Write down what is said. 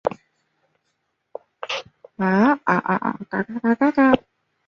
南方紫金牛为报春花科紫金牛属下的一个种。